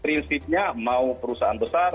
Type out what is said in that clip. prinsipnya mau perusahaan besar